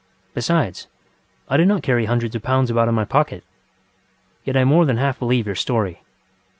Besides, I do not carry hundreds of pounds about in my pocket. Yet I more than half believe your story.